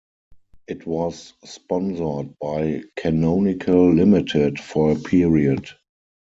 It was sponsored by Canonical Limited, for a period.